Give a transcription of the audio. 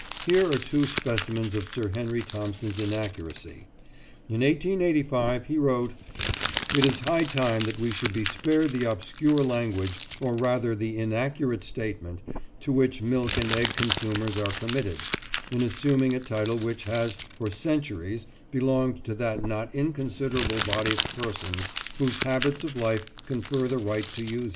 Here are two specimens of Sir Henry Thompson's inaccuracy. In 1885 he wrote: "It is high time that we should be spared the obscure language, or rather the inaccurate statement, to which milk and egg consumers are committed, in assuming a title which has for centuries belonged to that not inconsiderable body of persons whose habits of life confer the right to use it."